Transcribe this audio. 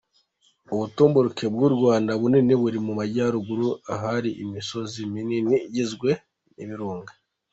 Ubutumburuke bw’u Rwanda bunini buri mu Majyaruguru ahari imisozi minini igizwe n’ibirunga.